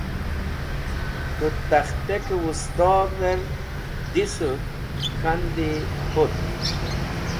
K̃hũ takhtẽkẽ wẽstodhẽr dhisuv k̃handi pũt.